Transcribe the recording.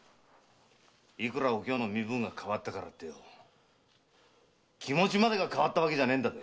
いくらお京の身分が変わったからって気持ちまでが変わったわけじゃねえんだぞ。